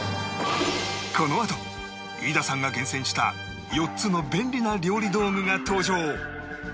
このあと飯田さんが厳選した４つの便利な料理道具が登場